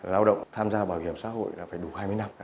lao động tham gia bảo hiểm xã hội là phải đủ hai mươi năm